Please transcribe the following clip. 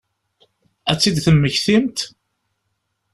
Ad tt-id-temmektimt?